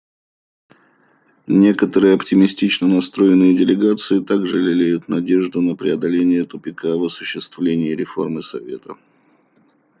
Некоторые оптимистично настроенные делегации также лелеют надежду на преодоление тупика в осуществлении реформы Совета.